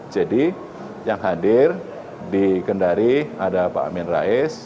jadi yang hadir di kendari ada pak amin rais